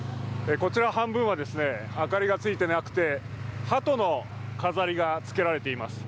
こちら半分は明かりがついていなくて、鳩の飾りがつけられています。